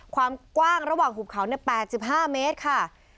ความกว้างระหว่างหุบเขา๘๕เมตรค่ะ